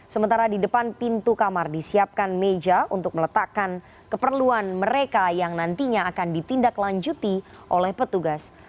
sementara di depan pintu kamar disiapkan meja untuk meletakkan keperluan mereka yang nantinya akan ditindaklanjuti oleh petugas